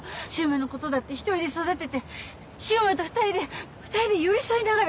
柊磨のことだって１人で育てて柊磨と２人で２人で寄り添いながら生きてきたの。